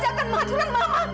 dia pasti akan mahacuran mama